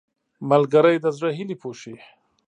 ملګری د زړه هیلې پوښي